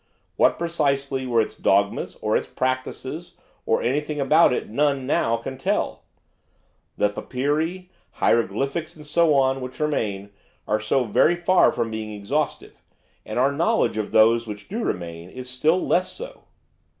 What, precisely, were its dogmas, or its practices, or anything about it, none, now, can tell. The Papyri, hieroglyphics, and so on, which remain are very far from being exhaustive, and our knowledge of those which do remain, is still less so.